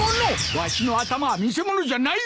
わしの頭は見せ物じゃないぞ！